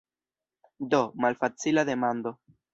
Do, malfacila demando.